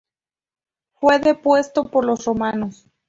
Fue depuesto por los romanos.